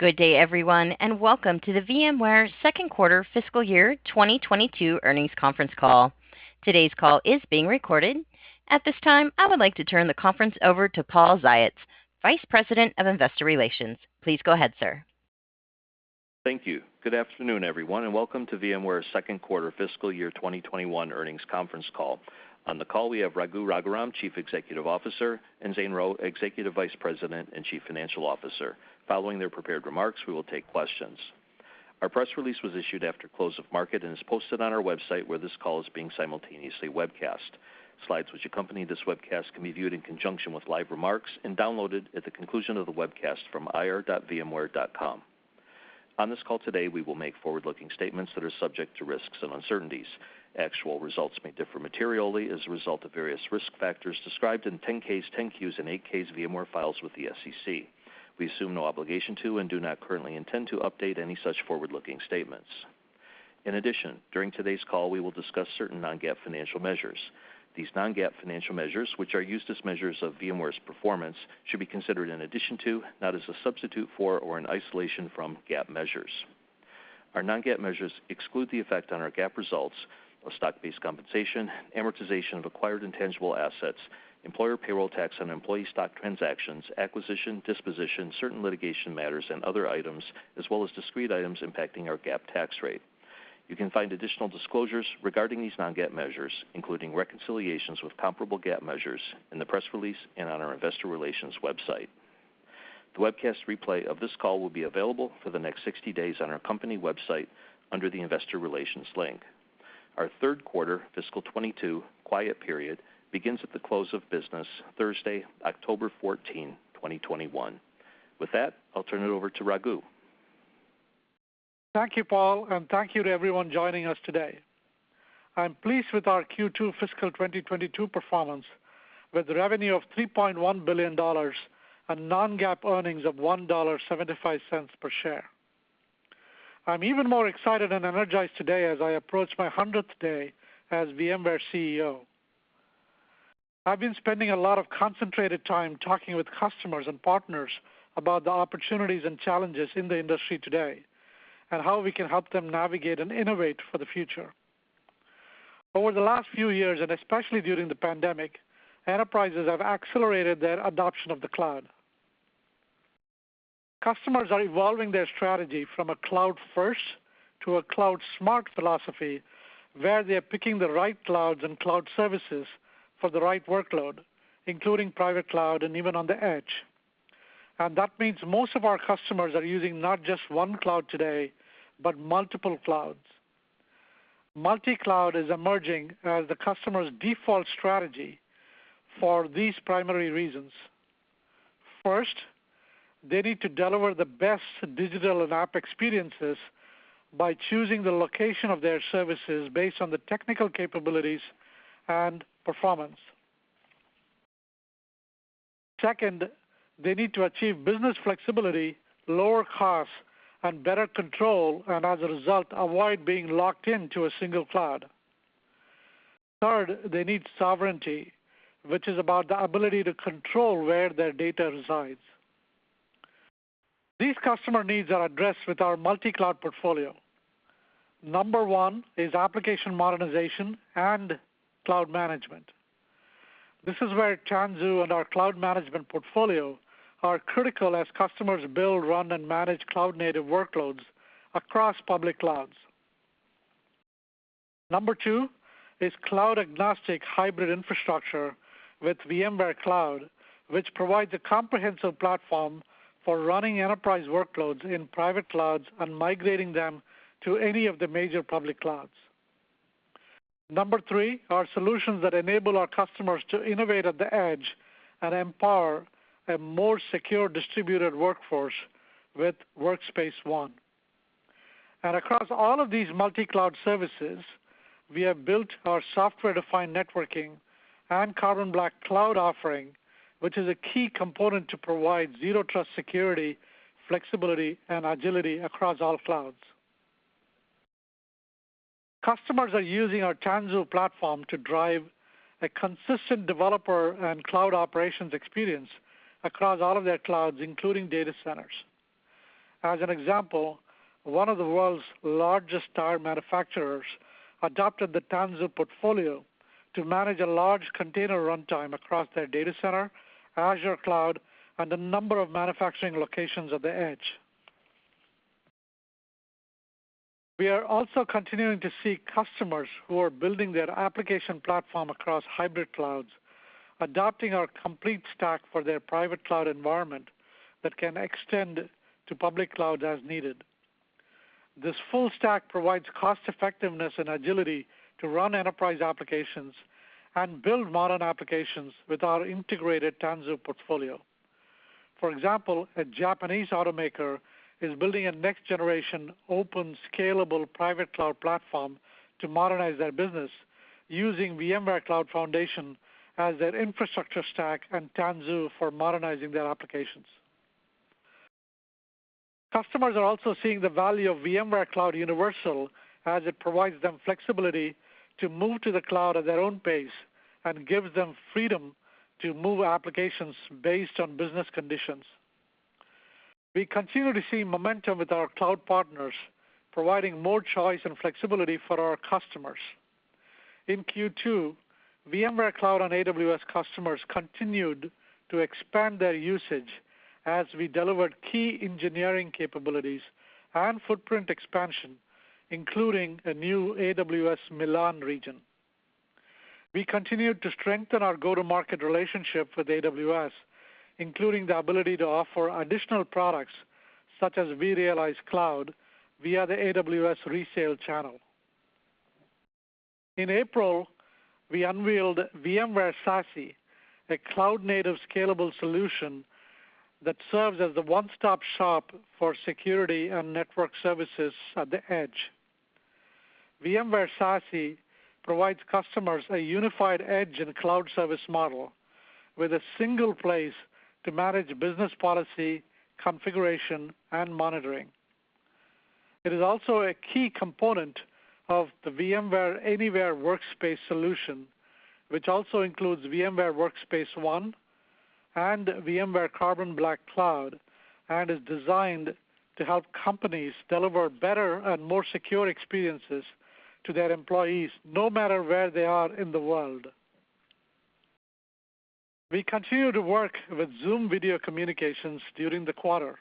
Good day everyone. Welcome to the VMware second quarter fiscal year 2022 earnings conference call. Today's call is being recorded. At this time, I would like to turn the conference over to Paul Ziots, Vice President of Investor Relations. Please go ahead, sir. Thank you. Good afternoon, everyone, and welcome to VMware's second quarter fiscal year 2021 earnings conference call. On the call, we have Raghu Raghuram, Chief Executive Officer, and Zane Rowe, Executive Vice President and Chief Financial Officer. Following their prepared remarks, we will take questions. Our press release was issued after close of market and is posted on our website where this call is being simultaneously webcast. Slides which accompany this webcast can be viewed in conjunction with live remarks and downloaded at the conclusion of the webcast from ir.vmware.com. On this call today, we will make forward-looking statements that are subject to risks and uncertainties. Actual results may differ materially as a result of various risk factors described in 10-Ks, 10-Qs, and 8-Ks VMware files with the SEC. We assume no obligation to and do not currently intend to update any such forward-looking statements. In addition, during today's call, we will discuss certain non-GAAP financial measures. These non-GAAP financial measures, which are used as measures of VMware's performance, should be considered in addition to, not as a substitute for, or an isolation from, GAAP measures. Our non-GAAP measures exclude the effect on our GAAP results of stock-based compensation, amortization of acquired intangible assets, employer payroll tax on employee stock transactions, acquisition, disposition, certain litigation matters and other items, as well as discrete items impacting our GAAP tax rate. You can find additional disclosures regarding these non-GAAP measures, including reconciliations with comparable GAAP measures, in the press release and on our investor relations website. The webcast replay of this call will be available for the next 60 days on our company website under the investor relations link. Our third quarter fiscal 2022 quiet period begins at the close of business Thursday, October 14, 2021. With that, I'll turn it over to Raghu. Thank you, Paul, and thank you to everyone joining us today. I'm pleased with our Q2 fiscal 2022 performance, with revenue of $3.1 billion and non-GAAP earnings of $1.75 per share. I'm even more excited and energized today as I approach my 100th day as VMware CEO. I've been spending a lot of concentrated time talking with customers and partners about the opportunities and challenges in the industry today, and how we can help them navigate and innovate for the future. Over the last few years, and especially during the pandemic, enterprises have accelerated their adoption of the cloud. Customers are evolving their strategy from a cloud first to a cloud smart philosophy where they're picking the right clouds and cloud services for the right workload, including private cloud and even on the edge. That means most of our customers are using not just one cloud today, but multiple clouds. Multi-cloud is emerging as the customer's default strategy for these primary reasons. First, they need to deliver the best digital and app experiences by choosing the location of their services based on the technical capabilities and performance. Second, they need to achieve business flexibility, lower costs, and better control, and as a result, avoid being locked into a single cloud. Third, they need sovereignty, which is about the ability to control where their data resides. These customer needs are addressed with our multi-cloud portfolio. Number one is application modernization and cloud management. This is where Tanzu and our cloud management portfolio are critical as customers build, run, and manage cloud-native workloads across public clouds. Number two is cloud agnostic hybrid infrastructure with VMware Cloud, which provides a comprehensive platform for running enterprise workloads in private clouds and migrating them to any of the major public clouds. Number three are solutions that enable our customers to innovate at the edge and empower a more secure distributed workforce with Workspace ONE. Across all of these multi-cloud services, we have built our software-defined networking and Carbon Black Cloud offering, which is a key component to provide zero trust security, flexibility, and agility across all clouds. Customers are using our Tanzu platform to drive a consistent developer and cloud operations experience across all of their clouds, including data centers. As an example, one of the world's largest tire manufacturers adopted the Tanzu portfolio to manage a large container runtime across their data center, Azure Cloud, and a number of manufacturing locations at the edge. We are also continuing to see customers who are building their application platform across hybrid clouds adopting our complete stack for their private cloud environment that can extend to public cloud as needed. This full stack provides cost effectiveness and agility to run enterprise applications and build modern applications with our integrated Tanzu portfolio. For example, a Japanese automaker is building a next generation open, scalable private cloud platform to modernize their business using VMware Cloud Foundation as their infrastructure stack and Tanzu for modernizing their applications. Customers are also seeing the value of VMware Cloud Universal as it provides them flexibility to move to the cloud at their own pace and gives them freedom to move applications based on business conditions. We continue to see momentum with our cloud partners, providing more choice and flexibility for our customers. In Q2, VMware Cloud on AWS customers continued to expand their usage as we delivered key engineering capabilities and footprint expansion, including a new AWS Milan region. We continued to strengthen our go-to-market relationship with AWS, including the ability to offer additional products, such as vRealize Cloud, via the AWS resale channel. In April, we unveiled VMware SASE, a cloud-native scalable solution that serves as the one-stop shop for security and network services at the edge. VMware SASE provides customers a unified edge in a cloud service model with a single place to manage business policy, configuration, and monitoring. It is also a key component of the VMware Anywhere Workspace solution, which also includes VMware Workspace ONE and VMware Carbon Black Cloud, and is designed to help companies deliver better and more secure experiences to their employees no matter where they are in the world. We continued to work with Zoom Video Communications during the quarter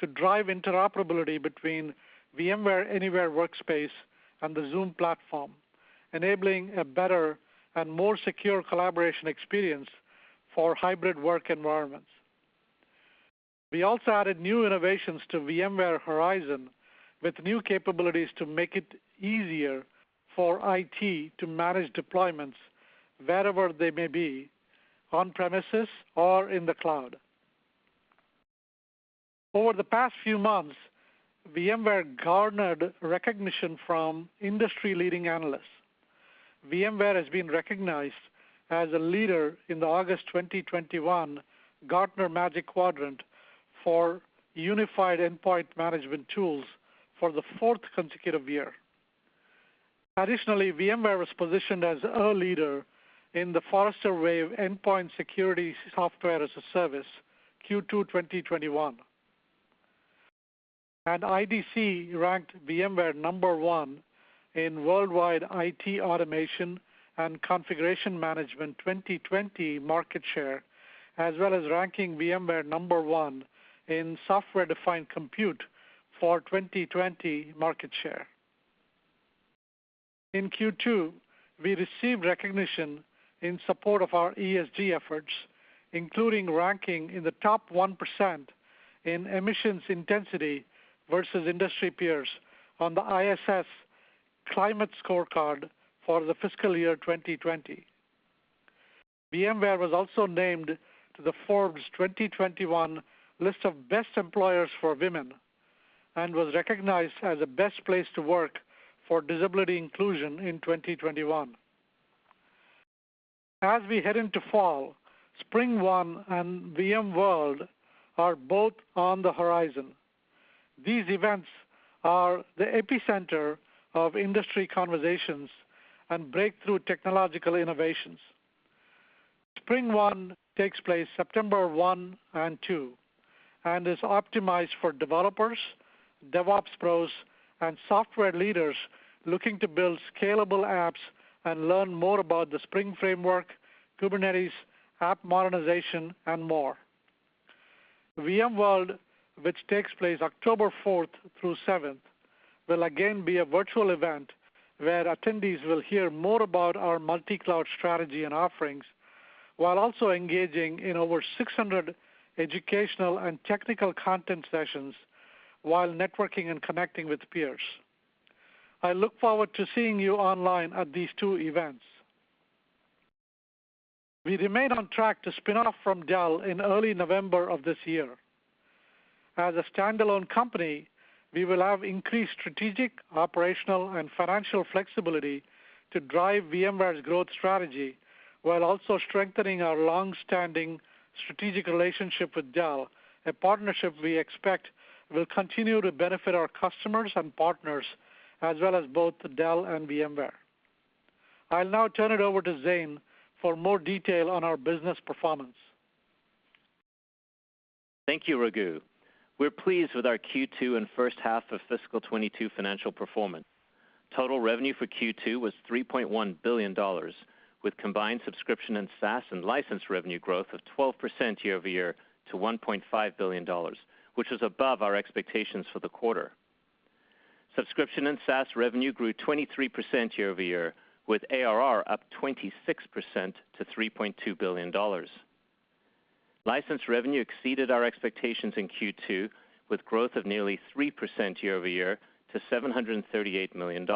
to drive interoperability between VMware Anywhere Workspace and the Zoom platform, enabling a better and more secure collaboration experience for hybrid work environments. We also added new innovations to VMware Horizon with new capabilities to make it easier for IT to manage deployments wherever they may be, on premises or in the cloud. Over the past few months, VMware garnered recognition from industry-leading analysts. VMware has been recognized as a leader in the August 2021 Gartner Magic Quadrant for unified endpoint management tools for the fourth consecutive year. Additionally, VMware was positioned as a leader in the Forrester Wave Endpoint Security Software as a Service Q2 2021. IDC ranked VMware number one in worldwide IT automation and configuration management 2020 market share, as well as ranking VMware number one in software-defined compute for 2020 market share. In Q2, we received recognition in support of our ESG efforts, including ranking in the top 1% in emissions intensity versus industry peers on the ISS Climate Scorecard for the fiscal year 2020. VMware was also named to the Forbes 2021 list of best employers for women and was recognized as a best place to work for disability inclusion in 2021. As we head into fall, SpringOne and VMworld are both on the horizon. These events are the epicenter of industry conversations and breakthrough technological innovations. SpringOne takes place September 1 and 2 and is optimized for developers, DevOps pros, and software leaders looking to build scalable apps and learn more about the Spring Framework, Kubernetes, app modernization, and more. VMworld, which takes place October fourth through seventh, will again be a virtual event where attendees will hear more about our multi-cloud strategy and offerings while also engaging in over 600 educational and technical content sessions while networking and connecting with peers. I look forward to seeing you online at these two events. We remain on track to spin off from Dell in early November of this year. As a standalone company, we will have increased strategic, operational, and financial flexibility to drive VMware's growth strategy while also strengthening our long-standing strategic relationship with Dell, a partnership we expect will continue to benefit our customers and partners, as well as both Dell and VMware. I'll now turn it over to Zane for more detail on our business performance. Thank you, Raghu. We're pleased with our Q2 and first half of fiscal 2022 financial performance. Total revenue for Q2 was $3.1 billion with combined subscription and SaaS and license revenue growth of 12% year-over-year to $1.5 billion, which was above our expectations for the quarter. Subscription and SaaS revenue grew 23% year-over-year, with ARR up 26% to $3.2 billion. License revenue exceeded our expectations in Q2, with growth of nearly 3% year-over-year to $738 million.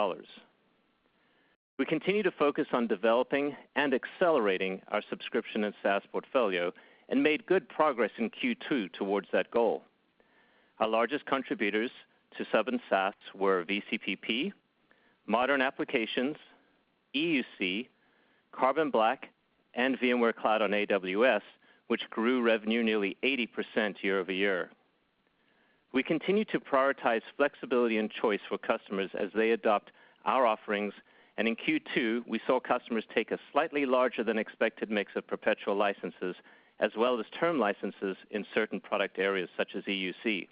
We continue to focus on developing and accelerating our subscription and SaaS portfolio and made good progress in Q2 towards that goal. Our largest contributors to sub and SaaS were VCPP, Modern Applications, EUC, Carbon Black, and VMware Cloud on AWS, which grew revenue nearly 80% year-over-year. We continue to prioritize flexibility and choice for customers as they adopt our offerings. In Q2, we saw customers take a slightly larger than expected mix of perpetual licenses as well as term licenses in certain product areas such as EUC.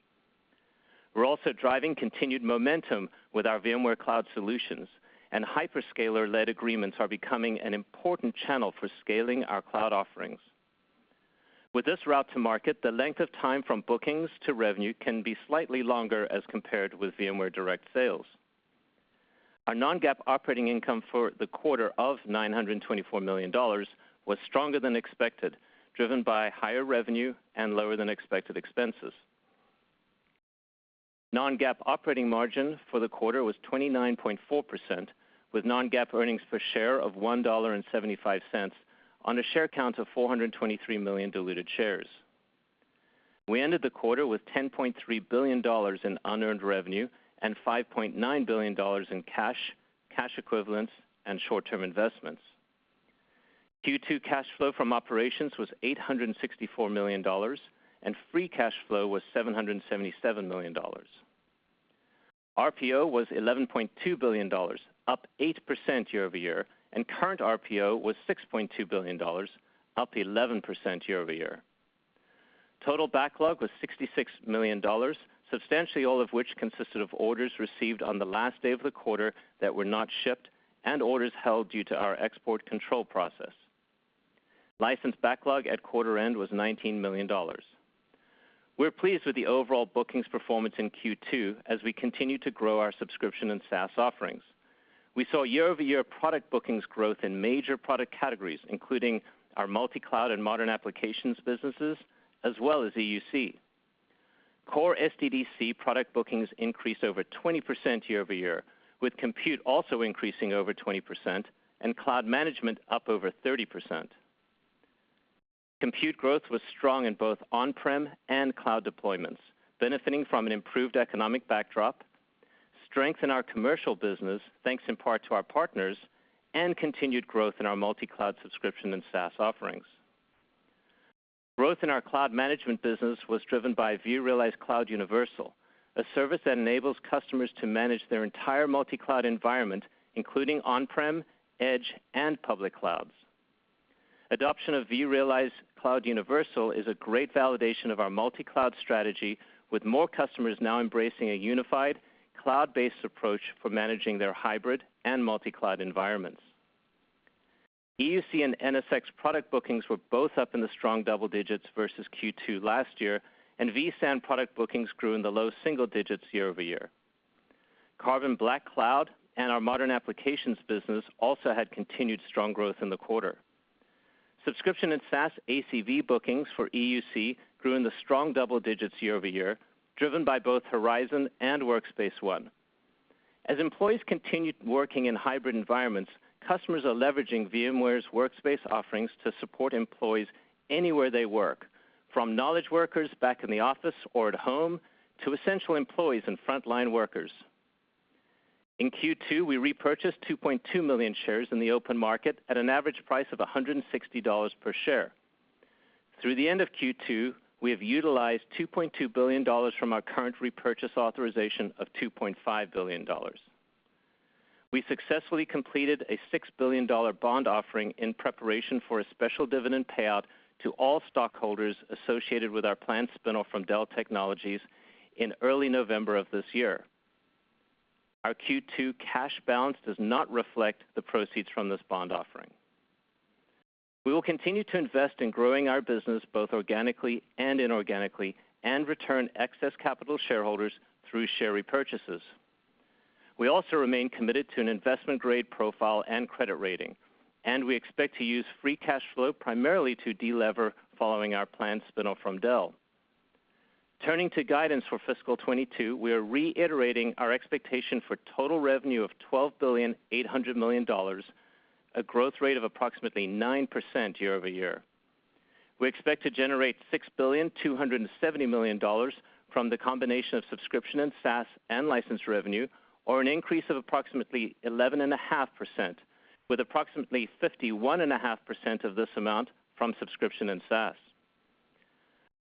We're also driving continued momentum with our VMware Cloud solutions, and hyperscaler-led agreements are becoming an important channel for scaling our cloud offerings. With this route to market, the length of time from bookings to revenue can be slightly longer as compared with VMware direct sales. Our non-GAAP operating income for the quarter of $924 million was stronger than expected, driven by higher revenue and lower than expected expenses. Non-GAAP operating margin for the quarter was 29.4%, with non-GAAP earnings per share of $1.75 on a share count of 423 million diluted shares. We ended the quarter with $10.3 billion in unearned revenue and $5.9 billion in cash equivalents, and short-term investments. Q2 cash flow from operations was $864 million, and free cash flow was $777 million. RPO was $11.2 billion, up 8% year-over-year, and current RPO was $6.2 billion, up 11% year-over-year. Total backlog was $66 million, substantially all of which consisted of orders received on the last day of the quarter that were not shipped and orders held due to our export control process. License backlog at quarter end was $19 million. We're pleased with the overall bookings performance in Q2 as we continue to grow our subscription and SaaS offerings. We saw year-over-year product bookings growth in major product categories, including our multi-cloud and modern applications businesses, as well as EUC. Core SDDC product bookings increased over 20% year-over-year, with compute also increasing over 20% and cloud management up over 30%. Compute growth was strong in both on-prem and cloud deployments, benefiting from an improved economic backdrop, strength in our commercial business, thanks in part to our partners, and continued growth in our multi-cloud subscription and SaaS offerings. Growth in our cloud management business was driven by vRealize Cloud Universal, a service that enables customers to manage their entire multi-cloud environment, including on-prem, edge, and public clouds. Adoption of vRealize Cloud Universal is a great validation of our multi-cloud strategy, with more customers now embracing a unified, cloud-based approach for managing their hybrid and multi-cloud environments. EUC and NSX product bookings were both up in the strong double-digits versus Q2 last year, and vSAN product bookings grew in the low single digits year-over-year. Carbon Black Cloud and our modern applications business also had continued strong growth in the quarter. Subscription and SaaS ACV bookings for EUC grew in the strong double-digits year-over-year, driven by both Horizon and Workspace ONE. As employees continued working in hybrid environments, customers are leveraging VMware's workspace offerings to support employees anywhere they work, from knowledge workers back in the office or at home to essential employees and frontline workers. In Q2, we repurchased 2.2 million shares in the open market at an average price of $160 per share. Through the end of Q2, we have utilized $2.2 billion from our current repurchase authorization of $2.5 billion. We successfully completed a $6 billion bond offering in preparation for a special dividend payout to all stockholders associated with our planned spin-off from Dell Technologies in early November of this year. Our Q2 cash balance does not reflect the proceeds from this bond offering. We will continue to invest in growing our business both organically and inorganically and return excess capital to shareholders through share repurchases. We also remain committed to an investment-grade profile and credit rating, and we expect to use free cash flow primarily to de-lever following our planned spin-off from Dell. Turning to guidance for fiscal 2022, we are reiterating our expectation for total revenue of $12.8 billion, a growth rate of approximately 9% year-over-year. We expect to generate $6.270 billion from the combination of subscription and SaaS and license revenue, or an increase of approximately 11.5%, with approximately 51.5% of this amount from subscription and SaaS.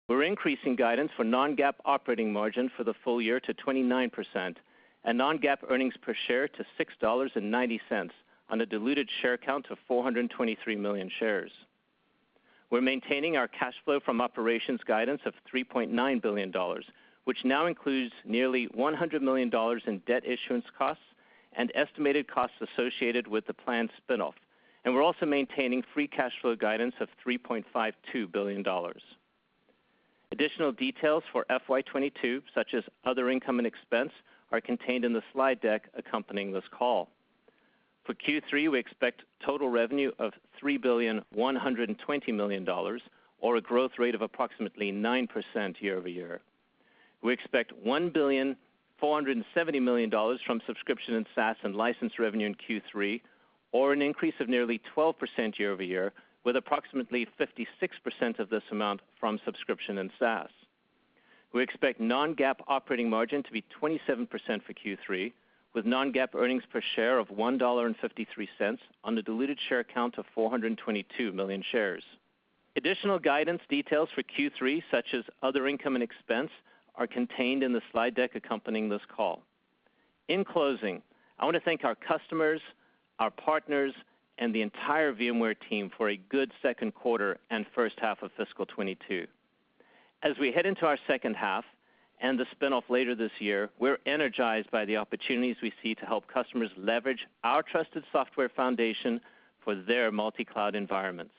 We're increasing guidance for non-GAAP operating margin for the full-year to 29% and non-GAAP earnings per share to $6.90 on a diluted share count of 423 million shares. We're maintaining our cash flow from operations guidance of $3.9 billion, which now includes nearly $100 million in debt issuance costs and estimated costs associated with the planned spin-off. We're also maintaining free cash flow guidance of $3.52 billion. Additional details for FY 2022, such as other income and expense, are contained in the slide deck accompanying this call. For Q3, we expect total revenue of $3.120 billion, or a growth rate of approximately 9% year-over-year. We expect $1.470 billion from subscription and SaaS and license revenue in Q3, or an increase of nearly 12% year-over-year, with approximately 56% of this amount from subscription and SaaS. We expect non-GAAP operating margin to be 27% for Q3, with non-GAAP earnings per share of $1.53 on the diluted share count of 422 million shares. Additional guidance details for Q3, such as other income and expense, are contained in the slide deck accompanying this call. In closing, I want to thank our customers, our partners, and the entire VMware team for a good second quarter and first half of fiscal 2022. As we head into our second half and the spin-off later this year, we're energized by the opportunities we see to help customers leverage our trusted software foundation for their multi-cloud environments.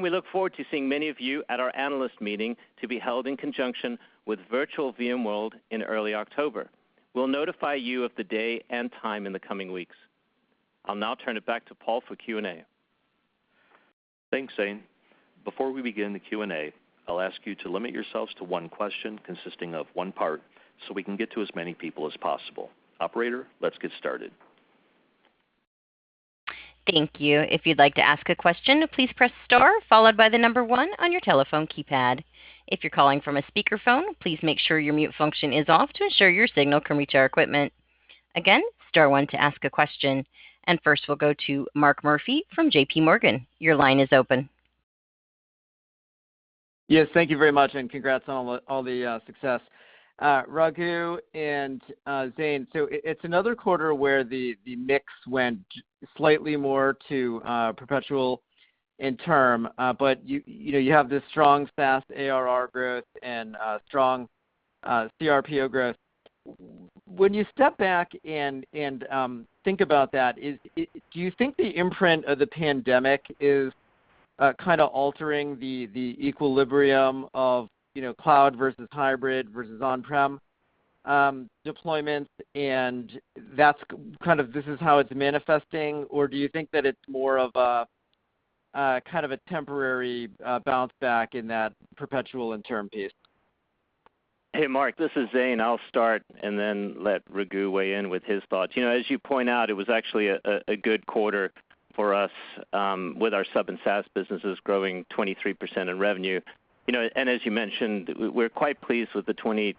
We look forward to seeing many of you at our analyst meeting to be held in conjunction with Virtual VMworld in early October. We'll notify you of the day and time in the coming weeks. I'll now turn it back to Paul for Q&A. Thanks, Zane. Before we begin the Q&A, I'll ask you to limit yourselves to one question consisting of one part, so we can get to as many people as possible. Operator, let's get started. Thank you. First we'll go to Mark Murphy from JPMorgan. Your line is open. Yes, thank you very much, and congrats on all the success. Raghu and Zane. It's another quarter where the mix went slightly more to perpetual and term. You have this strong SaaS ARR growth and strong CRPO growth. When you step back and think about that, do you think the imprint of the pandemic is kind of altering the equilibrium of cloud versus hybrid versus on-prem deployment, and this is how it's manifesting? Do you think that it's more of a kind of a temporary bounce back in that perpetual and term piece? Hey, Mark, this is Zane. I'll start and then let Raghu weigh in with his thoughts. As you point out, it was actually a good quarter for us with our sub and SaaS businesses growing 23% in revenue. As you mentioned, we're quite pleased with the 26%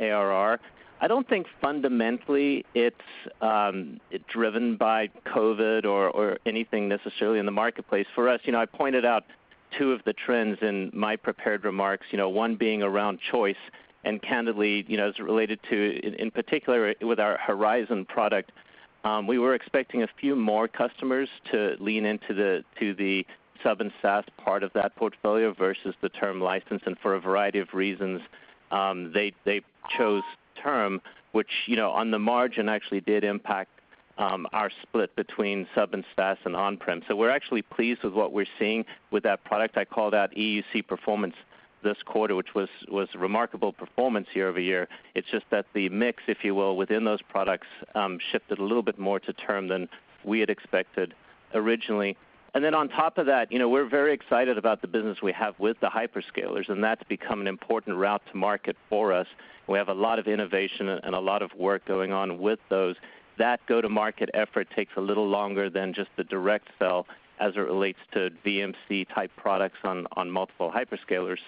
ARR. I don't think fundamentally it's driven by COVID or anything necessarily in the marketplace for us. I pointed out two of the trends in my prepared remarks, one being around choice, and candidly, as it related to, in particular, with our Horizon product. We were expecting a few more customers to lean into the sub and SaaS part of that portfolio versus the term license. For a variety of reasons, they chose term, which, on the margin, actually did impact our split between sub and SaaS and on-prem. We're actually pleased with what we're seeing with that product. I called out EUC performance this quarter, which was remarkable performance year-over-year. It's just that the mix, if you will, within those products, shifted a little bit more to term than we had expected originally. On top of that, we're very excited about the business we have with the hyperscalers, and that's become an important route to market for us. We have a lot of innovation and a lot of work going on with those. That go-to-market effort takes a little longer than just the direct sell as it relates to VMC type products on multiple hyperscalers.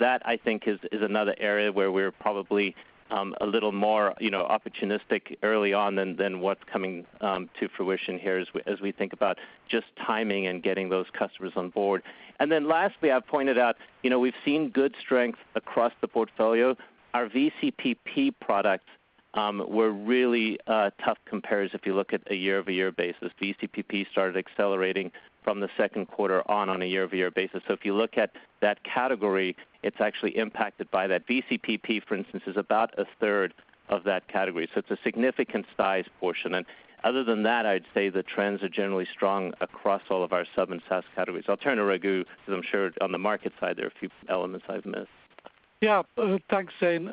That, I think, is another area where we're probably a little more opportunistic early on than what's coming to fruition here as we think about just timing and getting those customers on board. Lastly, I pointed out we've seen good strength across the portfolio. Our VCPP products were really tough compares if you look at a year-over-year basis. VCPP started accelerating from the second quarter on a year-over-year basis. If you look at that category, it's actually impacted by that. VCPP, for instance, is about a third of that category, it's a significant size portion. Other than that, I'd say the trends are generally strong across all of our sub and SaaS categories. I'll turn to Raghu, because I'm sure on the market side, there are a few elements I've missed. Thanks, Zane.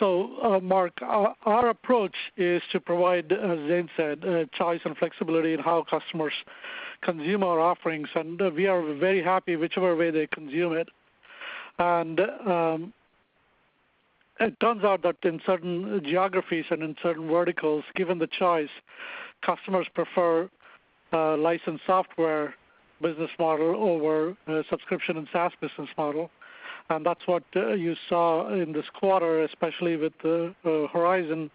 Mark, our approach is to provide, as Zane said, choice and flexibility in how customers consume our offerings, and we are very happy whichever way they consume it. It turns out that in certain geographies and in certain verticals, given the choice, customers prefer a licensed software business model over a subscription and SaaS business model. That's what you saw in this quarter, especially with the Horizon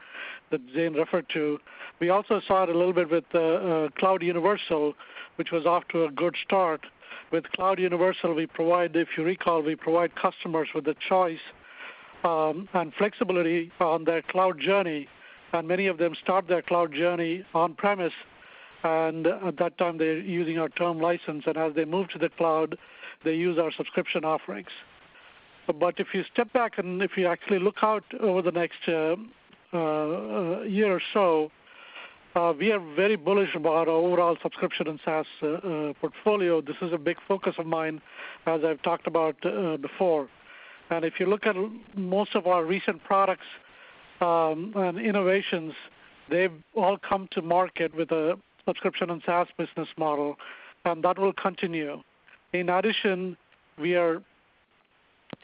that Zane referred to. We also saw it a little bit with the Cloud Universal, which was off to a good start. With Cloud Universal, if you recall, we provide customers with the choice and flexibility on their cloud journey, and many of them start their cloud journey on-premise. At that time, they're using our term license, and as they move to the cloud, they use our subscription offerings. If you step back and if you actually look out over the next year or so, we are very bullish about our overall subscription and SaaS portfolio. This is a big focus of mine, as I've talked about before. If you look at most of our recent products and innovations, they've all come to market with a subscription and SaaS business model, and that will continue. In addition, we are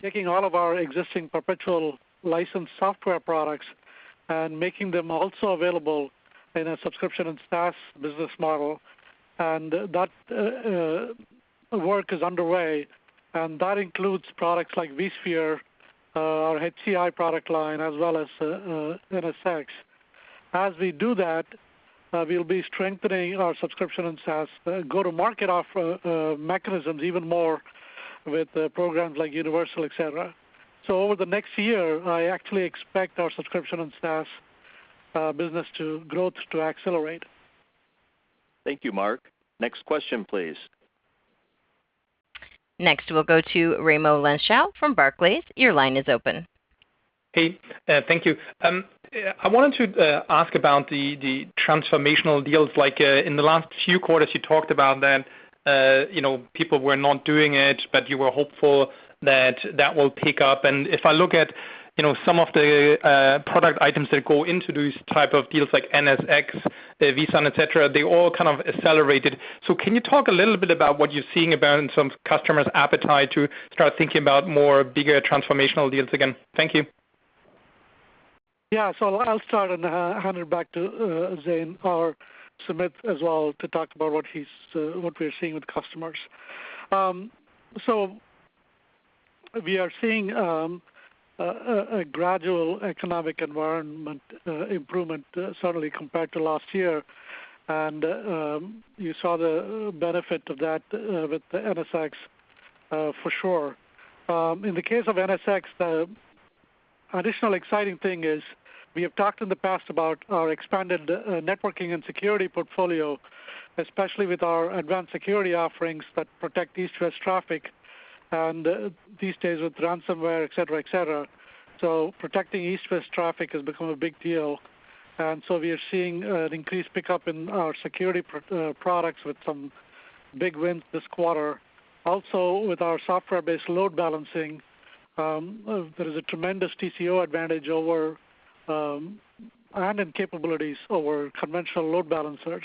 taking all of our existing perpetual license software products and making them also available in a subscription and SaaS business model. That work is underway, and that includes products like vSphere, our HCI product line, as well as NSX. As we do that, we'll be strengthening our subscription and SaaS go-to-market mechanisms even more with programs like Universal, et cetera. Over the next year, I actually expect our subscription and SaaS business growth to accelerate. Thank you, Mark. Next question, please. Next, we'll go to Raimo Lenschow from Barclays. Hey. Thank you. I wanted to ask about the transformational deals. In the last few quarters, you talked about that people were not doing it, but you were hopeful that that will pick up. If I look at some of the product items that go into these type of deals like NSX, vSAN, et cetera, they all kind of accelerated. Can you talk a little bit about what you're seeing about in some customers' appetite to start thinking about more bigger transformational deals again? Thank you. Yeah. I'll start and hand it back to Zane or Sumit as well to talk about what we're seeing with customers. You saw the benefit of that with the NSX for sure. In the case of NSX, the additional exciting thing is we have talked in the past about our expanded networking and security portfolio, especially with our advanced security offerings that protect east-west traffic, and these days with ransomware, et cetera. Protecting east-west traffic has become a big deal, we are seeing an increased pickup in our security products with some big wins this quarter. Also, with our software-based load balancing, there is a tremendous TCO advantage over and in capabilities over conventional load balancers.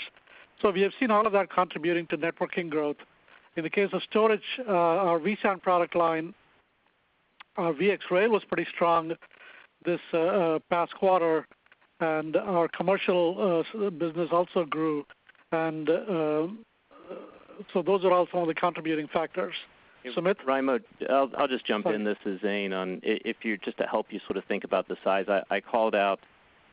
We have seen all of that contributing to networking growth. In the case of storage, our vSAN product line, our VxRail was pretty strong this past quarter, and our commercial business also grew. Those are all some of the contributing factors. Sumit? Raimo, I'll just jump in. This is Zane. Just to help you sort of think about the size, I called out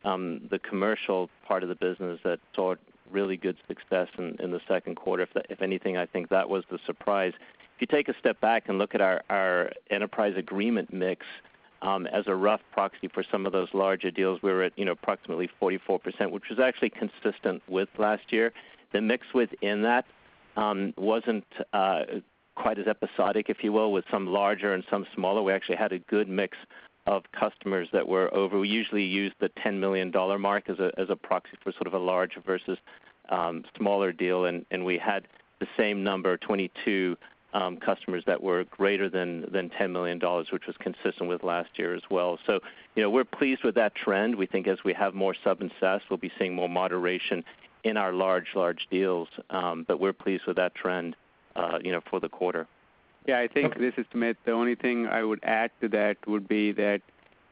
the commercial part of the business that saw really good success in the second quarter. If anything, I think that was the surprise. If you take a step back and look at our enterprise agreement mix as a rough proxy for some of those larger deals, we were at approximately 44%, which was actually consistent with last year. The mix within that wasn't quite as episodic, if you will, with some larger and some smaller. We actually had a good mix of customers. We usually use the $10 million mark as a proxy for sort of a large versus smaller deal, and we had the same number, 22 customers, that were greater than $10 million, which was consistent with last year as well. We're pleased with that trend. We think as we have more sub and SaaS, we'll be seeing more moderation in our large deals. We're pleased with that trend for the quarter. Yeah, I think, this is Sumit, the only thing I would add to that would be that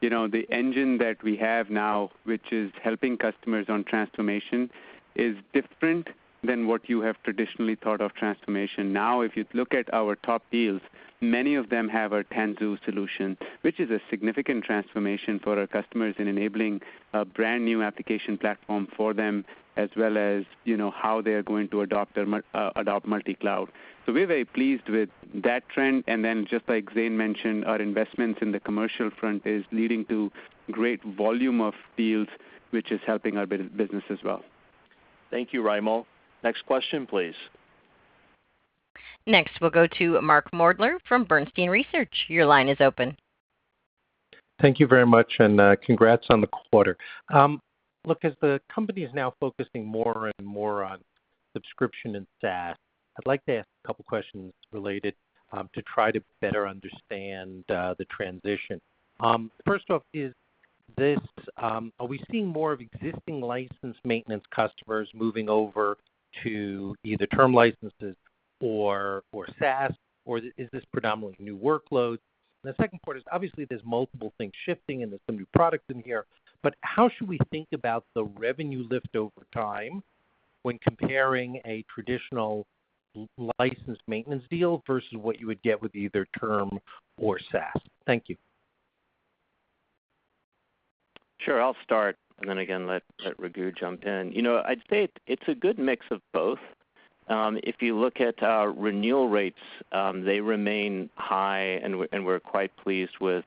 the engine that we have now, which is helping customers on transformation, is different than what you have traditionally thought of transformation. Now, if you look at our top deals, many of them have our Tanzu solution, which is a significant transformation for our customers in enabling a brand-new application platform for them, as well as how they're going to adopt multi-cloud. We're very pleased with that trend. Just like Zane mentioned, our investments in the commercial front is leading to great volume of deals, which is helping our business as well. Thank you, Raimo. Next question, please. Next, we'll go to Mark Moerdler from Bernstein Research. Your line is open. Thank you very much, and congrats on the quarter. Look, as the company is now focusing more and more on subscription and SaaS, I'd like to ask a couple questions related, to try to better understand the transition. First off, are we seeing more of existing license maintenance customers moving over to either term licenses or SaaS, or is this predominantly new workloads? The second part is, obviously, there's multiple things shifting, and there's some new products in here, but how should we think about the revenue lift over time when comparing a traditional license maintenance deal versus what you would get with either term or SaaS? Thank you. Sure. I'll start, then again, let Raghu jump in. I'd say it's a good mix of both. If you look at our renewal rates, they remain high, and we're quite pleased with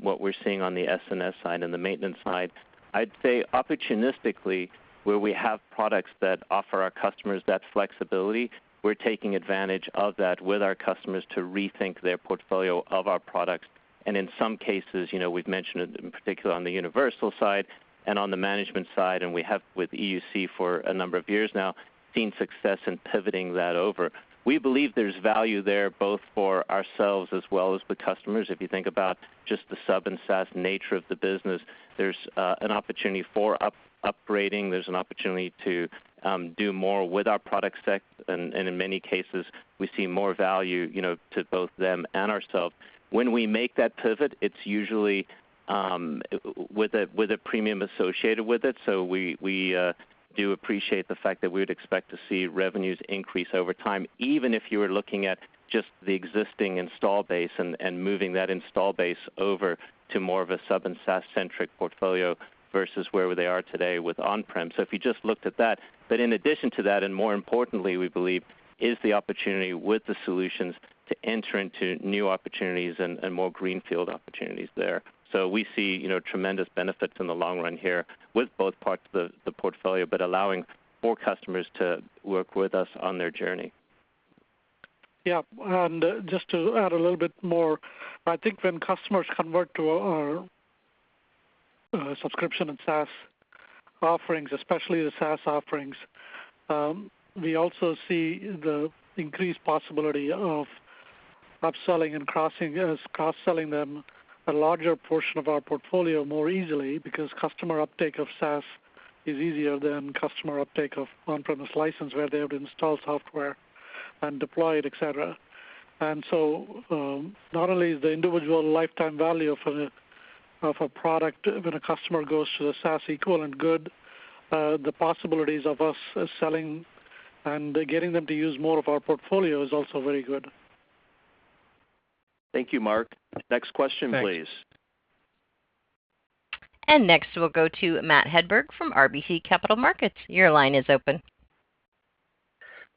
what we're seeing on the SNS side and the maintenance side. I'd say opportunistically, where we have products that offer our customers that flexibility, we're taking advantage of that with our customers to rethink their portfolio of our products. In some cases, we've mentioned it, in particular on the universal side and on the management side, and we have with EUC for a number of years now, seen success in pivoting that over. We believe there's value there, both for ourselves as well as the customers, if you think about just the sub and SaaS nature of the business. There's an opportunity for upgrading, there's an opportunity to do more with our product set, and in many cases, we see more value to both them and ourselves. When we make that pivot, it's usually with a premium associated with it, so we do appreciate the fact that we would expect to see revenues increase over time, even if you were looking at just the existing install base and moving that install base over to more of a sub and SaaS-centric portfolio versus where they are today with on-prem. If you just looked at that. In addition to that, and more importantly, we believe, is the opportunity with the solutions to enter into new opportunities and more greenfield opportunities there. We see tremendous benefits in the long run here with both parts of the portfolio, but allowing more customers to work with us on their journey. Yeah. Just to add a little bit more, I think when customers convert to our subscription and SaaS offerings, especially the SaaS offerings, we also see the increased possibility of upselling and cross-selling them a larger portion of our portfolio more easily because customer uptake of SaaS is easier than customer uptake of on-premise license where they have to install software and deploy it, et cetera. Not only is the individual lifetime value of a product when a customer goes to the SaaS equivalent good, the possibilities of us selling and getting them to use more of our portfolio is also very good. Thank you, Mark. Next question, please. Next, we'll go to Matt Hedberg from RBC Capital Markets. Your line is open.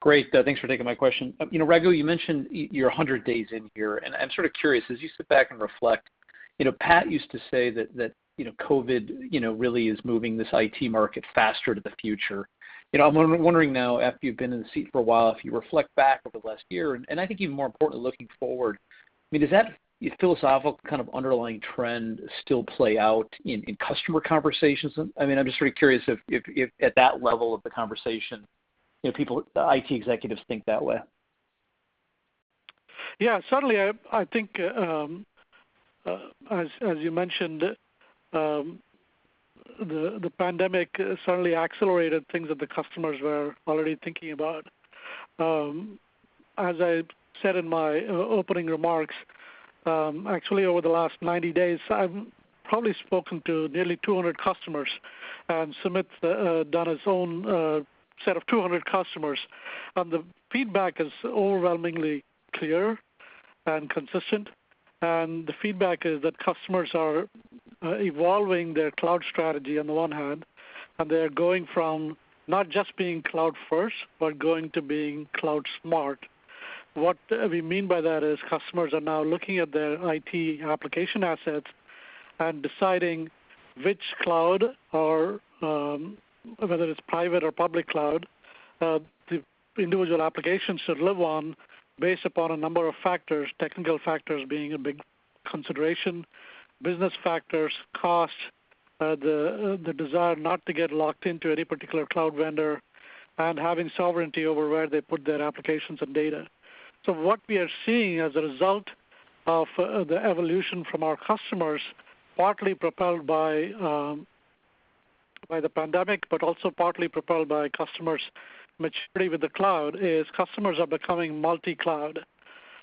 Great. Thanks for taking my question. Raghu, you mentioned you're 100 days in here, and I'm sort of curious, as you sit back and reflect, Pat used to say that COVID really is moving this IT market faster to the future. I'm wondering now, after you've been in the seat for a while, if you reflect back over the last year, and I think even more importantly, looking forward, does that philosophical kind of underlying trend still play out in customer conversations? I'm just very curious if at that level of the conversation, IT executives think that way. Certainly, I think, as you mentioned, the pandemic certainly accelerated things that the customers were already thinking about. As I said in my opening remarks, actually over the last 90 days, I've probably spoken to nearly 200 customers, and Sumit's done his own set of 200 customers. The feedback is overwhelmingly clear and consistent, and the feedback is that customers are evolving their cloud strategy on the one hand, and they're going from not just being cloud first, but going to being cloud smart. What we mean by that is customers are now looking at their IT application assets and deciding which cloud, whether it's private or public cloud, the individual applications should live on based upon a number of factors, technical factors being a big consideration, business factors, cost, the desire not to get locked into any particular cloud vendor, and having sovereignty over where they put their applications and data. What we are seeing as a result of the evolution from our customers, partly propelled by the pandemic, but also partly propelled by customers' maturity with the cloud, is customers are becoming multi-cloud.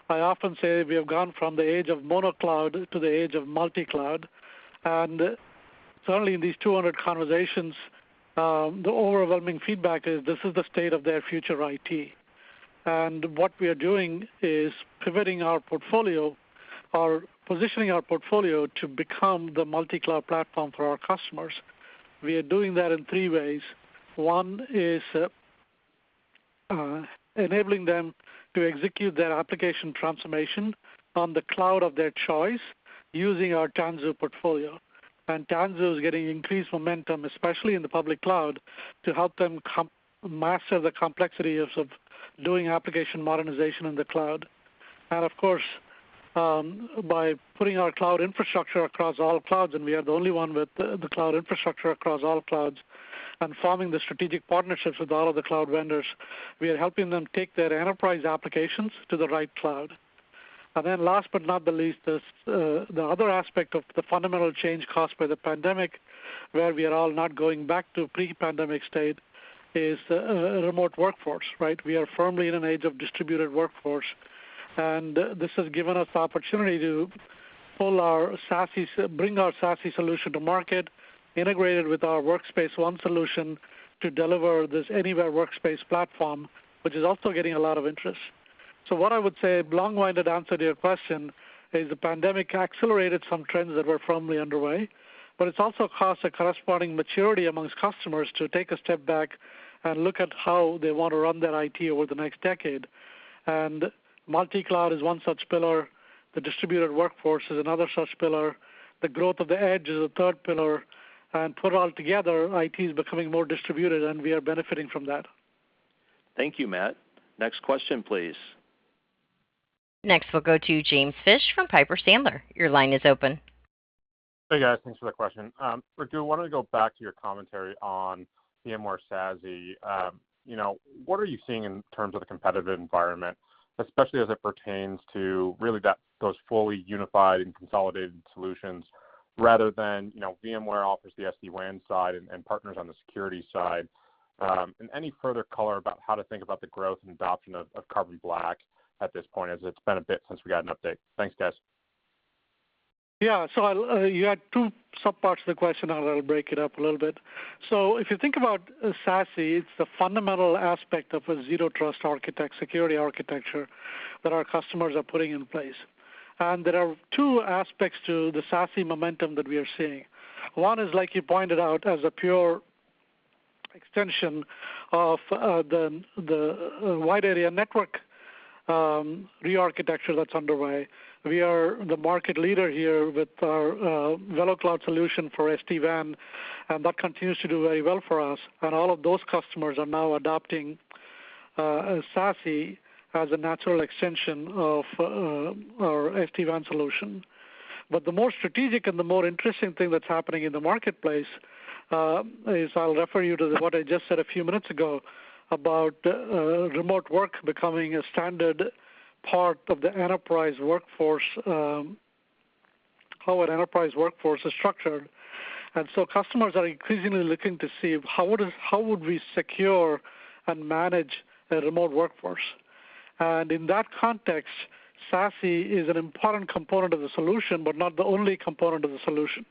I often say we have gone from the age of mono cloud to the age of multi-cloud. Certainly in these 200 conversations, the overwhelming feedback is this is the state of their future IT. What we are doing is pivoting our portfolio or positioning our portfolio to become the multi-cloud platform for our customers. We are doing that in three ways. One is enabling them to execute their application transformation on the cloud of their choice using our Tanzu portfolio. Tanzu is getting increased momentum, especially in the public cloud, to help them master the complexities of doing application modernization in the cloud. Of course, by putting our cloud infrastructure across all clouds, and we are the only one with the cloud infrastructure across all clouds, and forming the strategic partnerships with all of the cloud vendors, we are helping them take their enterprise applications to the right cloud. Then last but not the least, the other aspect of the fundamental change caused by the pandemic, where we are all not going back to pre-pandemic state, is remote workforce, right? We are firmly in an age of distributed workforce, this has given us the opportunity to bring our SASE solution to market, integrated with our Workspace ONE solution, to deliver this anywhere workspace platform, which is also getting a lot of interest. What I would say, long-winded answer to your question, is the pandemic accelerated some trends that were firmly underway, but it's also caused a corresponding maturity amongst customers to take a step back and look at how they want to run their IT over the next decade. Multi-cloud is one such pillar, the distributed workforce is another such pillar, the growth of the edge is a third pillar, and put all together, IT is becoming more distributed, and we are benefiting from that. Thank you, Matt. Next question, please. Next, we'll go to James Fish from Piper Sandler. Your line is open. Hey guys, thanks for the question. Raghu, why don't we go back to your commentary on VMware SASE. What are you seeing in terms of the competitive environment, especially as it pertains to really those fully unified and consolidated solutions rather than VMware offers the SD-WAN side and partners on the security side? Any further color about how to think about the growth and adoption of Carbon Black at this point, as it's been a bit since we got an update. Thanks, guys. Yeah. You had two sub-parts to the question. I'll break it up a little bit. If you think about SASE, it's the fundamental aspect of a zero trust security architecture that our customers are putting in place. There are two aspects to the SASE momentum that we are seeing. One is, like you pointed out, as a pure extension of the wide area network re-architecture that's underway. We are the market leader here with our VeloCloud solution for SD-WAN, and that continues to do very well for us. All of those customers are now adopting SASE as a natural extension of our SD-WAN solution. The more strategic and the more interesting thing that's happening in the marketplace, is I'll refer you to what I just said a few minutes ago about remote work becoming a standard part of how an enterprise workforce is structured. Customers are increasingly looking to see how would we secure and manage a remote workforce. In that context, SASE is an important component of the solution, but not the only component of the solution.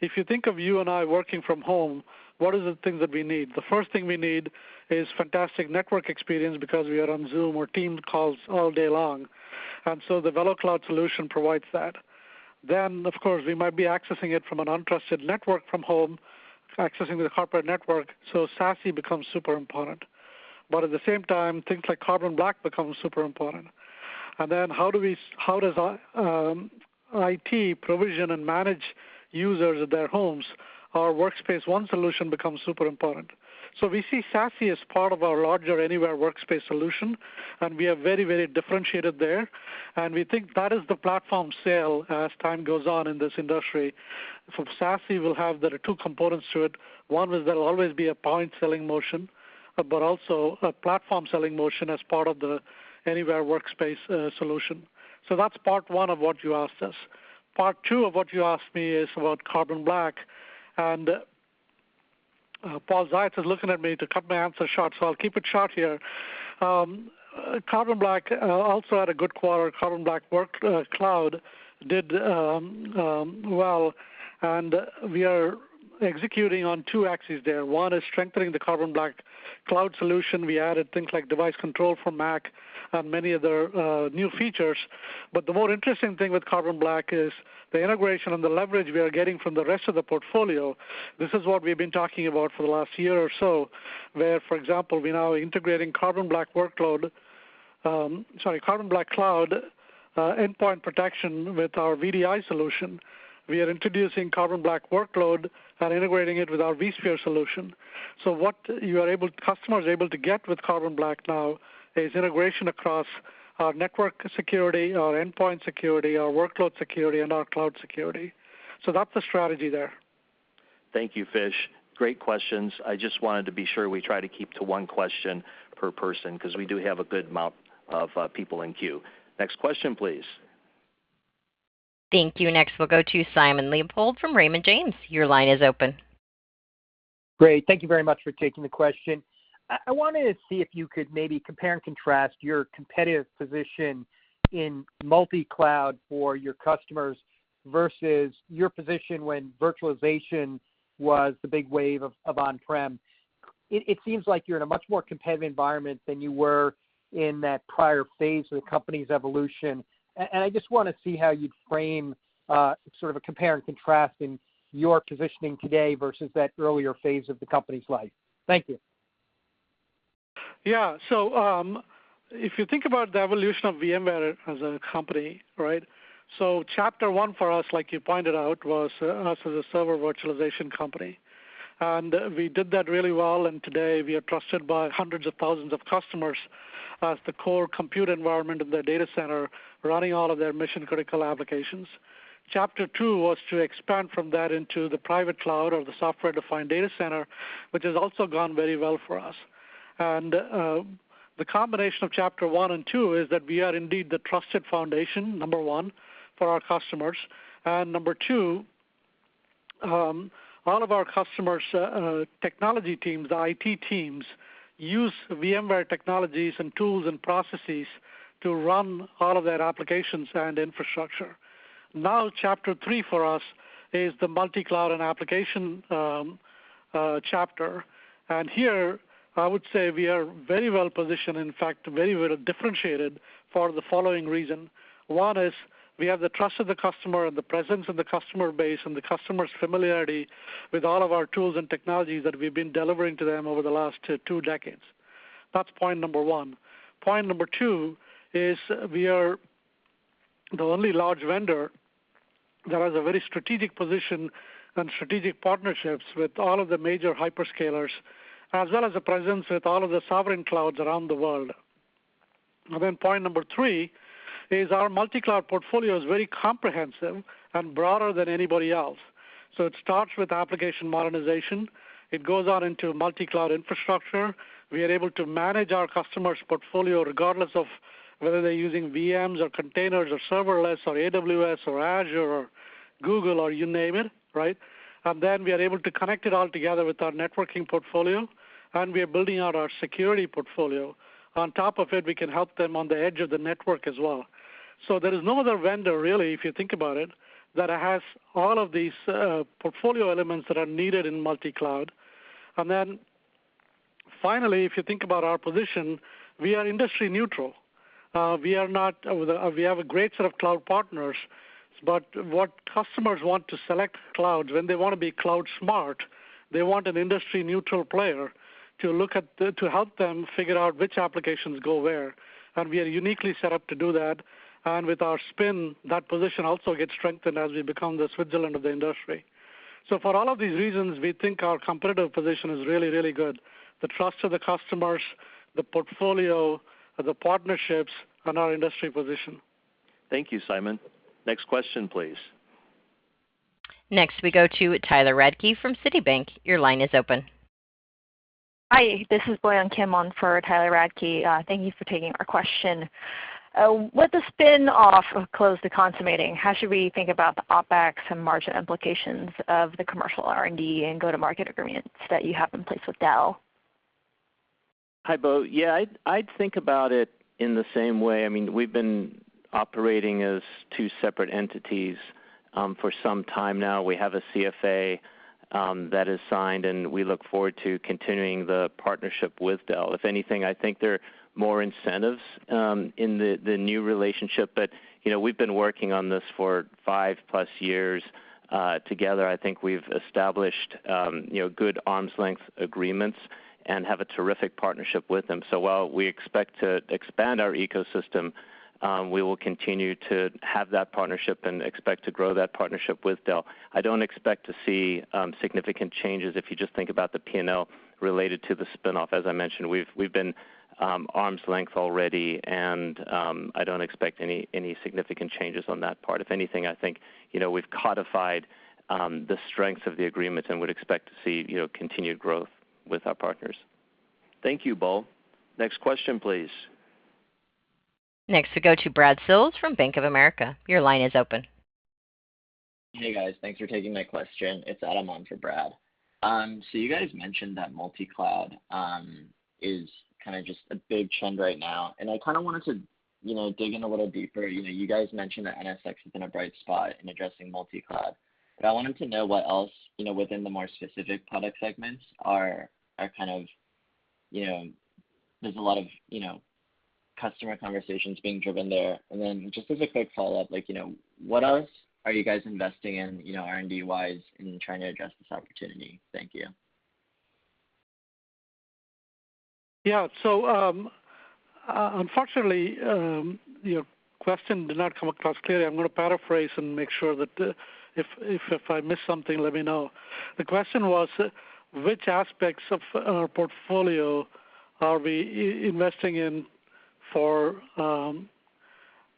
If you think of you and I working from home, what are the things that we need? The first thing we need is fantastic network experience because we are on Zoom or Team calls all day long. The VeloCloud solution provides that. Of course, we might be accessing it from an untrusted network from home, accessing the corporate network, so SASE becomes super important. At the same time, things like Carbon Black become super important. How does IT provision and manage users at their homes? Our Workspace ONE solution becomes super important. We see SASE as part of our larger VMware Anywhere Workspace solution, and we are very differentiated there. We think that is the platform sale as time goes on in this industry. For SASE, there are two components to it. One is there'll always be a point selling motion, but also a platform selling motion as part of the VMware Anywhere Workspace solution. That's part one of what you asked us. Part two of what you asked me is about Carbon Black. Paul Ziots is looking at me to cut my answer short, so I'll keep it short here. Carbon Black also had a good quarter. VMware Carbon Black Cloud did well, and we are executing on two axes there. One is strengthening the VMware Carbon Black Cloud solution. We added things like device control for Mac and many other new features. The more interesting thing with Carbon Black is the integration and the leverage we are getting from the rest of the portfolio. This is what we've been talking about for the last year or so, where, for example, we are now integrating Carbon Black Cloud endpoint protection with our VDI solution. We are introducing Carbon Black Workload and integrating it with our vSphere solution. What customers are able to get with Carbon Black now is integration across our network security, our endpoint security, our workload security, and our cloud security. That's the strategy there. Thank you, Fish. Great questions. I just wanted to be sure we try to keep to one question per person because we do have a good amount of people in queue. Next question, please. Thank you. Next, we'll go to Simon Leopold from Raymond James. Your line is open. Great. Thank you very much for taking the question. I wanted to see if you could maybe compare and contrast your competitive position in multi-cloud for your customers versus your position when virtualization was the big wave of on-prem. It seems like you're in a much more competitive environment than you were in that prior phase of the company's evolution. I just want to see how you'd frame sort of a compare and contrast in your positioning today versus that earlier phase of the company's life. Thank you. Yeah. If you think about the evolution of VMware as a company, right? Chapter one for us, like you pointed out, was us as a server virtualization company. We did that really well, and today we are trusted by hundreds of thousands of customers as the core compute environment of their data center, running all of their mission-critical applications. Chapter two was to expand from that into the private cloud or the software-defined data center, which has also gone very well for us. The combination of Chapter one and two is that we are indeed the trusted foundation, number one, for our customers. Number two, all of our customers' technology teams, the IT teams, use VMware technologies and tools and processes to run all of their applications and infrastructure. Chapter three for us is the multi-cloud and application chapter. Here, I would say we are very well positioned, in fact, very well differentiated for the following reason. 1 is we have the trust of the customer and the presence of the customer base and the customer's familiarity with all of our tools and technologies that we've been delivering to them over the last two decades. That is point number one. Point number two is we are the only large vendor that has a very strategic position and strategic partnerships with all of the major hyperscalers, as well as a presence with all of the sovereign clouds around the world. Point number three is our multi-cloud portfolio is very comprehensive and broader than anybody else. It starts with application modernization. It goes on into multi-cloud infrastructure. We are able to manage our customer's portfolio regardless of whether they're using VMs or containers or serverless or AWS or Azure or Google or you name it, right? We are able to connect it all together with our networking portfolio, and we are building out our security portfolio. On top of it, we can help them on the edge of the network as well. There is no other vendor really, if you think about it, that has all of these portfolio elements that are needed in multi-cloud. Finally, if you think about our position, we are industry neutral. We have a great set of cloud partners, but what customers want to select clouds when they want to be cloud smart, they want an industry neutral player to help them figure out which applications go where. We are uniquely set up to do that. With our spin, that position also gets strengthened as we become the Switzerland of the industry. For all of these reasons, we think our competitive position is really, really good. The trust of the customers, the portfolio, the partnerships, and our industry position. Thank you, Simon. Next question, please. Next, we go to Tyler Radke from Citi. Your line is open. Hi, this is Boyoung Kim on for Tyler Radke. Thank you for taking our question. With the spin-off close to consummating, how should we think about the OpEx and margin implications of the commercial R&D and go-to-market agreements that you have in place with Dell? Hi, Bo. Yeah, I'd think about it in the same way. I mean, we've been operating as two separate entities for some time now. We have a CFA that is signed, and we look forward to continuing the partnership with Dell. If anything, I think there are more incentives in the new relationship, but we've been working on this for 5+ years together. I think we've established good arm's length agreements and have a terrific partnership with them. While we expect to expand our ecosystem, we will continue to have that partnership and expect to grow that partnership with Dell. I don't expect to see significant changes if you just think about the P&L related to the spin-off. As I mentioned, we've been arm's length already, and I don't expect any significant changes on that part. If anything, I think we've codified the strength of the agreements and would expect to see continued growth with our partners. Thank you, Bo. Next question, please. Next, we go to Brad Sills from Bank of America. Your line is open. Hey, guys. Thanks for taking my question. It's Adam on for Brad. You guys mentioned that multi-cloud is kind of just a big trend right now, and I kind of wanted to dig in a little deeper. You guys mentioned that NSX is in a bright spot in addressing multi-cloud. I wanted to know what else within the more specific product segments, there's a lot of customer conversations being driven there. Just as a quick follow-up, what else are you guys investing in R&D-wise in trying to address this opportunity? Thank you. Yeah. Unfortunately, your question did not come across clearly. I'm going to paraphrase and make sure that if I miss something, let me know. The question was, which aspects of our portfolio are we investing in for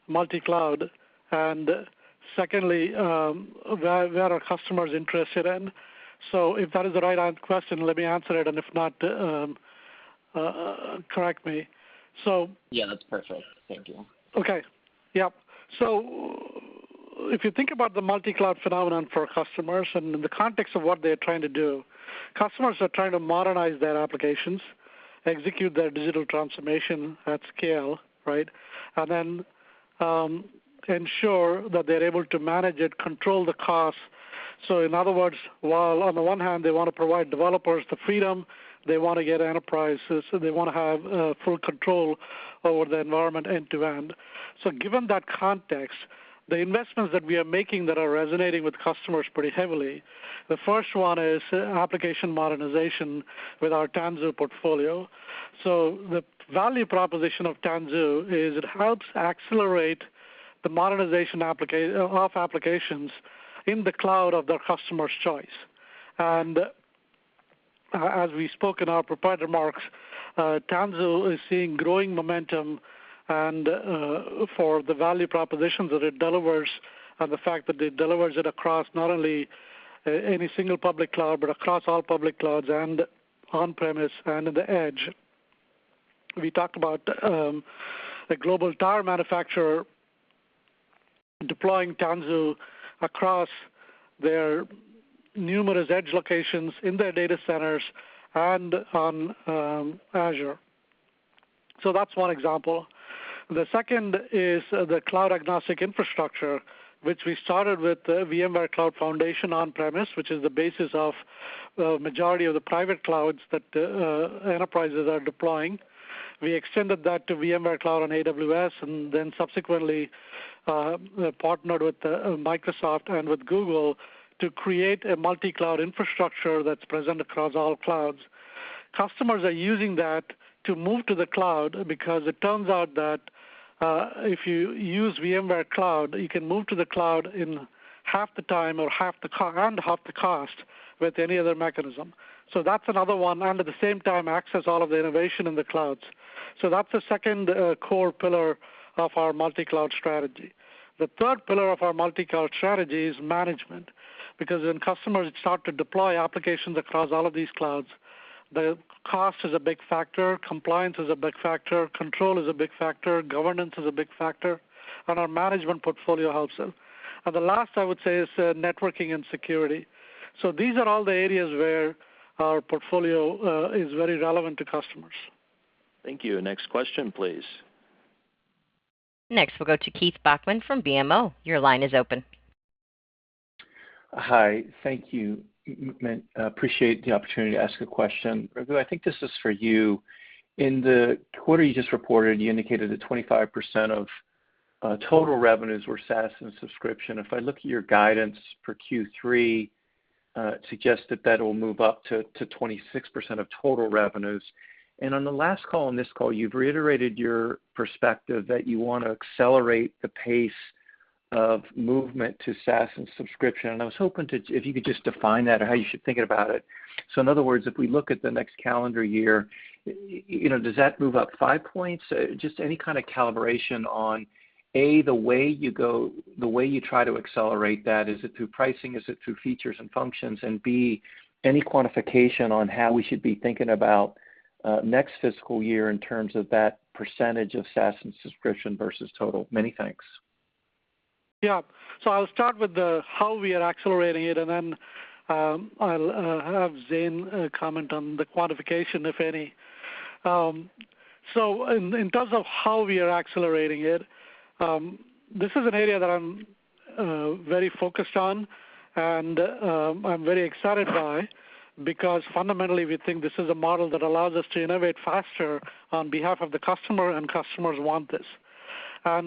multi-cloud? Secondly, where are customers interested in? If that is the right question, let me answer it. If not, correct me. Yeah, that's perfect. Thank you. Okay. Yep. If you think about the multi-cloud phenomenon for customers and in the context of what they're trying to do, customers are trying to modernize their applications, execute their digital transformation at scale, right? Then ensure that they're able to manage it, control the cost. In other words, while on the one hand, they want to provide developers the freedom, they want to get enterprises, they want to have full control over the environment end to end. Given that context, the investments that we are making that are resonating with customers pretty heavily, the first one is application modernization with our Tanzu portfolio. The value proposition of Tanzu is it helps accelerate the modernization of applications in the cloud of their customer's choice. As we spoke in our prepared remarks, Tanzu is seeing growing momentum for the value propositions that it delivers and the fact that it delivers it across not only any single public cloud but across all public clouds and on-premise and in the edge. We talked about a global tire manufacturer deploying Tanzu across their numerous edge locations in their data centers and on Azure. That's one example. The second is the cloud-agnostic infrastructure, which we started with VMware Cloud Foundation on-premise, which is the basis of the majority of the private clouds that enterprises are deploying. We extended that to VMware Cloud on AWS and then subsequently partnered with Microsoft and with Google to create a multi-cloud infrastructure that's present across all clouds. Customers are using that to move to the cloud because it turns out that if you use VMware Cloud, you can move to the cloud in half the time and half the cost with any other mechanism. That's another one, and at the same time, access all of the innovation in the clouds. That's the second core pillar of our multi-cloud strategy. The third pillar of our multi-cloud strategy is management, because when customers start to deploy applications across all of these clouds, the cost is a big factor, compliance is a big factor, control is a big factor, governance is a big factor, and our management portfolio helps them. The last I would say is networking and security. These are all the areas where our portfolio is very relevant to customers. Thank you. Next question, please. Next, we'll go to Keith Bachman from BMO. Your line is open. Hi. Thank you. Appreciate the opportunity to ask a question. Raghu, I think this is for you. In the quarter you just reported, you indicated that 25% of total revenues were SaaS and subscription. If I look at your guidance for Q3, suggest that that will move up to 26% of total revenues. On the last call and this call, you've reiterated your perspective that you want to accelerate the pace of movement to SaaS and subscription, and I was hoping if you could just define that or how you should think about it. In other words, if we look at the next calendar year, does that move up five points? Just any kind of calibration on, A, the way you try to accelerate that, is it through pricing, is it through features and functions? B, any quantification on how we should be thinking about next fiscal year in terms of that percentage of SaaS and subscription versus total? Many thanks. I'll start with the how we are accelerating it, and then I'll have Zane comment on the quantification, if any. In terms of how we are accelerating it, this is an area that I'm very focused on and I'm very excited by, because fundamentally, we think this is a model that allows us to innovate faster on behalf of the customer, and customers want this.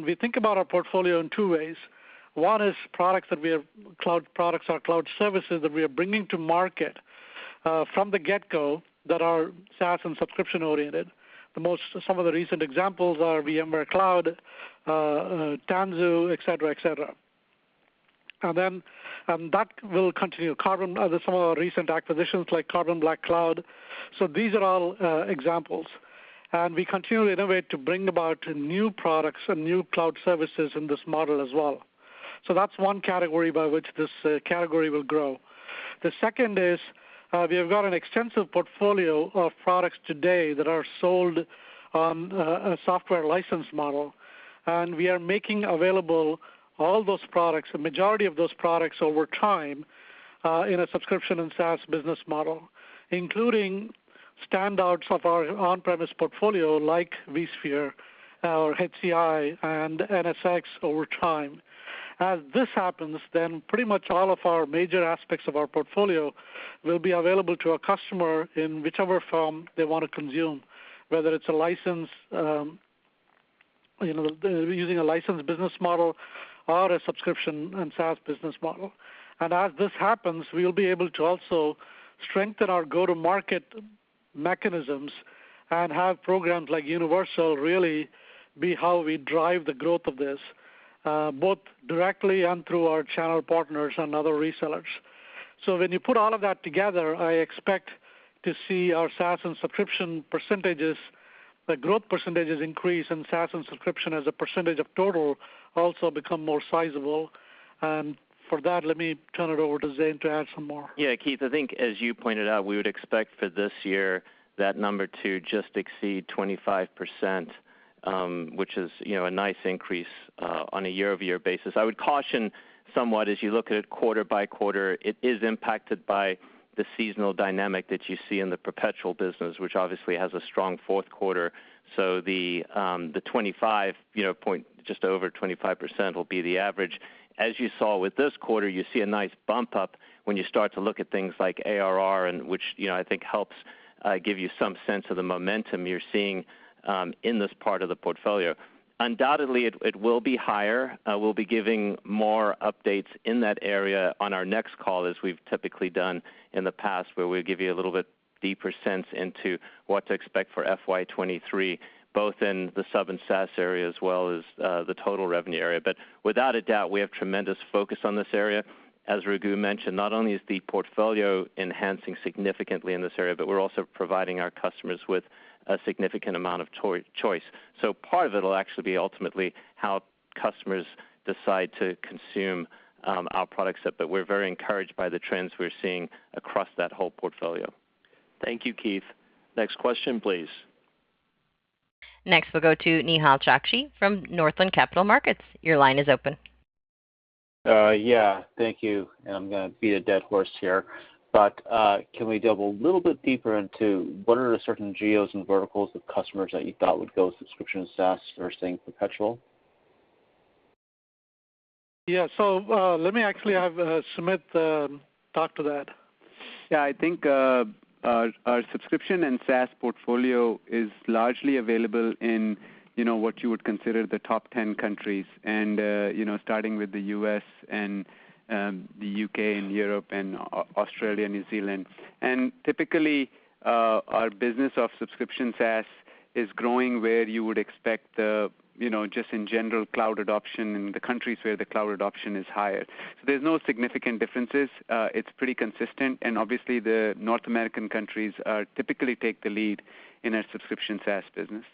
We think about our portfolio in two ways. One is products, our cloud products, our cloud services that we are bringing to market from the get-go that are SaaS and subscription-oriented. Some of the recent examples are VMware Cloud, Tanzu, et cetera. That will continue. Some of our recent acquisitions, like Carbon Black Cloud. These are all examples, and we continually innovate to bring about new products and new cloud services in this model as well. That's one category by which this category will grow. The second is, we have got an extensive portfolio of products today that are sold on a software license model, and we are making available all those products, a majority of those products over time, in a subscription and SaaS business model, including standouts of our on-premise portfolio like vSphere or HCI and NSX over time. As this happens, pretty much all of our major aspects of our portfolio will be available to a customer in whichever form they want to consume, whether it's using a licensed business model or a subscription and SaaS business model. As this happens, we'll be able to also strengthen our go-to-market mechanisms and have programs like Universal really be how we drive the growth of this, both directly and through our channel partners and other resellers. When you put all of that together, I expect to see our SaaS and subscription percentages, the growth percentages increase and SaaS and subscription as a percentage of total also become more sizable. For that, let me turn it over to Zane to add some more. Yeah, Keith, I think as you pointed out, we would expect for this year that number to just exceed 25%, which is a nice increase on a year-over-year basis. I would caution somewhat as you look at it quarter-by-quarter, it is impacted by the seasonal dynamic that you see in the perpetual business, which obviously has a strong fourth quarter. The just over 25% will be the average. As you saw with this quarter, you see a nice bump up when you start to look at things like ARR, which I think helps give you some sense of the momentum you're seeing in this part of the portfolio. Undoubtedly, it will be higher. We'll be giving more updates in that area on our next call as we've typically done in the past, where we give you a little bit deeper sense into what to expect for FY 2023, both in the sub and SaaS area as well as the total revenue area. Without a doubt, we have tremendous focus on this area. As Raghu mentioned, not only is the portfolio enhancing significantly in this area, but we're also providing our customers with a significant amount of choice. Part of it will actually be ultimately how customers decide to consume our product set. We're very encouraged by the trends we're seeing across that whole portfolio. Thank you, Keith. Next question, please. Next, we'll go to Nehal Chokshi from Northland Capital Markets. Your line is open. Yeah. Thank you. I'm going to beat a dead horse here, can we delve a little bit deeper into what are the certain geos and verticals of customers that you thought would go subscription SaaS that are staying perpetual? Yeah. Let me actually have Sumit talk to that. Yeah, I think our subscription and SaaS portfolio is largely available in what you would consider the top 10 countries, starting with the U.S. and the U.K. and Europe and Australia, New Zealand. Typically, our business of subscription SaaS is growing where you would expect, just in general, cloud adoption in the countries where the cloud adoption is higher. There's no significant differences. It's pretty consistent, obviously the North American countries typically take the lead in our subscription SaaS business.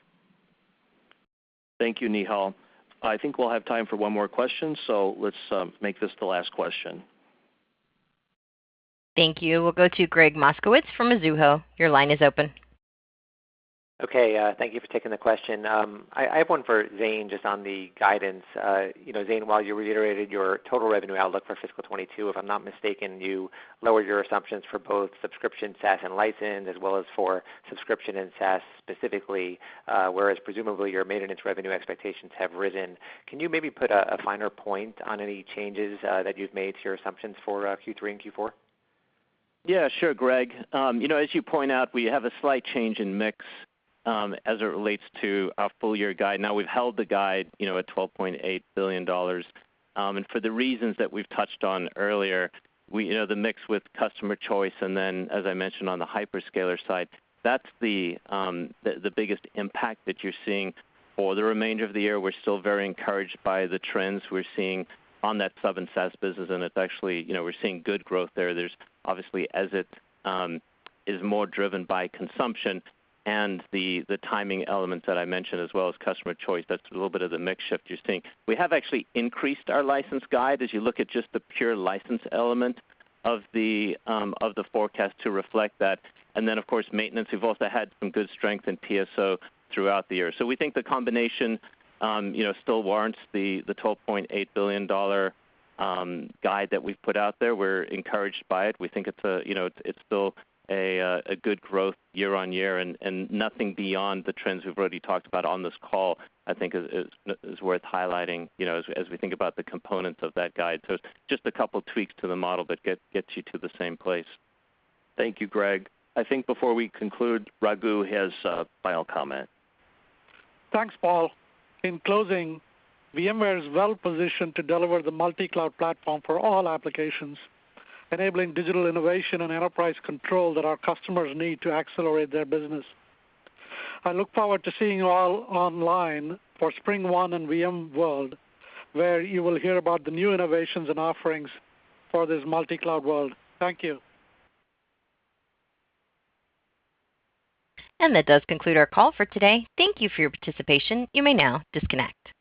Thank you, Nehal. I think we'll have time for one more question. Let's make this the last question. Thank you. We'll go to Gregg Moskowitz from Mizuho. Your line is open. Okay. Thank you for taking the question. I have one for Zane, just on the guidance. Zane, while you reiterated your total revenue outlook for fiscal 2022, if I'm not mistaken, you lowered your assumptions for both subscription, SaaS, and license, as well as for subscription and SaaS specifically, whereas presumably your maintenance revenue expectations have risen. Can you maybe put a finer point on any changes that you've made to your assumptions for Q3 and Q4? Yeah. Sure, Gregg. As you point out, we have a slight change in mix as it relates to our full-year guide. We've held the guide at $12.8 billion. For the reasons that we've touched on earlier, the mix with customer choice and then, as I mentioned on the hyperscaler side, that's the biggest impact that you're seeing for the remainder of the year. We're still very encouraged by the trends we're seeing on that sub and SaaS business, and we're seeing good growth there. Obviously, as it is more driven by consumption and the timing elements that I mentioned, as well as customer choice, that's a little bit of the mix shift you're seeing. We have actually increased our license guide as you look at just the pure license element of the forecast to reflect that. Of course, maintenance, we've also had some good strength in PSO throughout the year. We think the combination still warrants the $12.8 billion guide that we've put out there. We're encouraged by it. We think it's still a good growth year-over-year, and nothing beyond the trends we've already talked about on this call I think is worth highlighting as we think about the components of that guide. It's just a couple tweaks to the model that gets you to the same place. Thank you, Gregg. I think before we conclude, Raghu has a final comment. Thanks, Paul. In closing, VMware is well positioned to deliver the multi-cloud platform for all applications, enabling digital innovation and enterprise control that our customers need to accelerate their business. I look forward to seeing you all online for SpringOne and VMworld, where you will hear about the new innovations and offerings for this multi-cloud world. Thank you. That does conclude our call for today. Thank you for your participation. You may now disconnect.